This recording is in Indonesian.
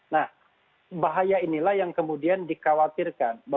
nah bahaya inilah yang kemudian dikhawatirkan